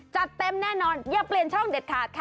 จัดเต็มแน่นอนอย่าเปลี่ยนช่องเด็ดขาดค่ะ